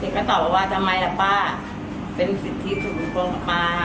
เด็กก็ตอบว่าทำไมล่ะป๊าเป็นสิทธิสุดที่สุดท้องกับป๊า